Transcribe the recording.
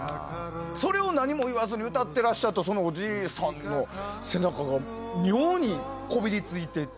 それを何も言わずに歌ってらっしゃったそのおじいさんの背中が妙にこびりついていて。